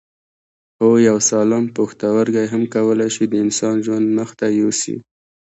هو یو سالم پښتورګی هم کولای شي د انسان ژوند مخ ته یوسي